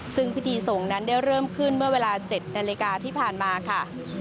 ซึ่งพิธีส่งนั้นได้เริ่มขึ้นเมื่อเวลา๗นาฬิกาที่ผ่านมาค่ะ